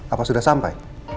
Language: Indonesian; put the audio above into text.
apa sudah sampai